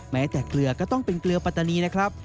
แม้แต่เกลือก็ต้องเป็นเกลือปัตตานีนะครับ